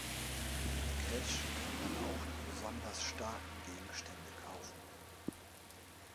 Mit Cash kann man auch die besonders starken Gegenstände kaufen.